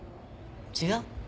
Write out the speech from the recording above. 違う？